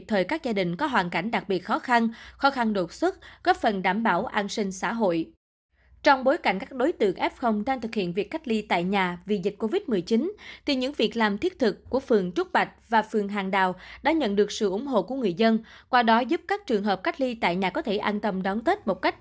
hãy đăng ký kênh để ủng hộ kênh của chúng mình nhé